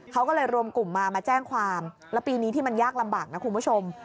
เขาก็เลยรวมกลุ่มมามาแจ้งความแล้วปีนี้ที่มันยากลำบากนะคุณผู้ชม